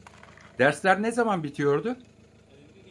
Dersler ne zaman bitiyordu?